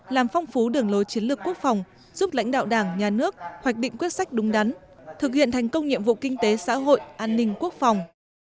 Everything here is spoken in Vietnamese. làm phong phú đường lối chiến lược quốc phòng giúp lãnh đạo đảng nhà nước hoạch định quyết sách đúng đắn thực hiện thành công nhiệm vụ kinh tế xã hội an ninh quốc phòng